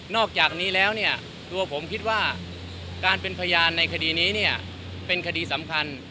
อกจากนี้แล้วเนี่ยตัวผมคิดว่าการเป็นพยานในคดีนี้เนี่ยเป็นคดีสำคัญ